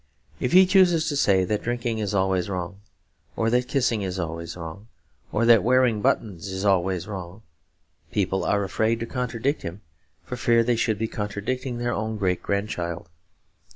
If he chooses to say that drinking is always wrong, or that kissing is always wrong, or that wearing buttons is always wrong, people are afraid to contradict him for fear they should be contradicting their own great grandchild.